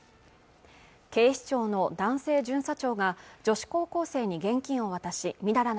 警視庁の男性巡査長が女子高校生に現金を渡しみだら